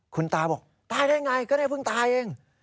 คุณตาบอกตายได้ไงก็ได้เพิ่งตายเอง